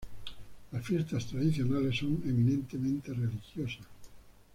Las fiestas tradicionales son eminentemente religiosas.